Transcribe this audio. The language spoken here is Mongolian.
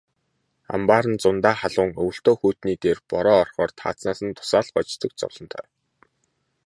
Амбаар нь зундаа халуун, өвөлдөө хүйтний дээр бороо орохоор таазнаас нь дусаал гоождог зовлонтой.